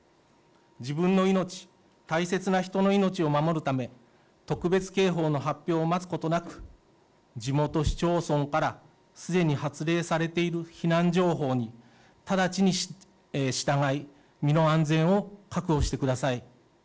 自分の命、大切な人の命を守るため特別警報の発表を待つことなく地元市町村からすでに発令されている避難情報に直ちに従い身の安全を確保してください。